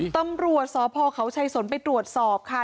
ตำรวจสพเขาชัยสนไปตรวจสอบค่ะ